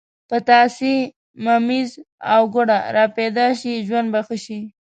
پتاسې، ممیز او ګوړه را پیدا شي ژوند به ښه شي.